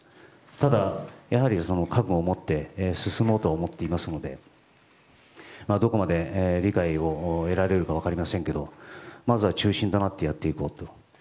ただ、覚悟を持って進もうと思っておりますのでどこまで理解を得られるか分かりませんがまずは、中心となってやっていこうと。